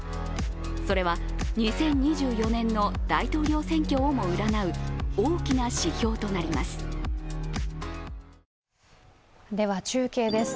それは２０２４年の大統領選挙をも占う大きな指標となります。